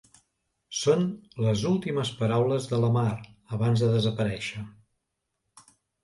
Són les últimes paraules de la Mar abans de desaparèixer.